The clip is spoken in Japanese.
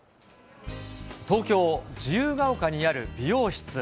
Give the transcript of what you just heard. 東京・自由が丘にある美容室。